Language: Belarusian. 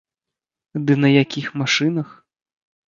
Ды на якіх машынах!